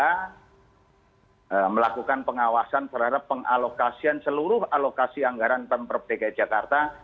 yang melakukan pengawasan terhadap pengalokasian seluruh alokasi anggaran pemperbdk jakarta